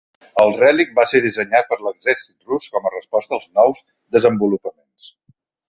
El Relikt va ser dissenyat per l'exèrcit rus com a resposta als nous desenvolupaments.